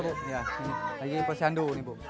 oh iya bu lagi posyandu nih bu